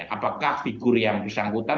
apakah figur yang disangkutan